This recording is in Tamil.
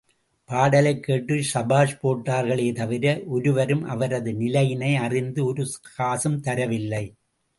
பாடலைக் கேட்டு சபாஷ் போட்டார்களே தவிர, ஒருவரும் அவரது நிலையினை, அறிந்து ஒரு காசும் தரவில்லை.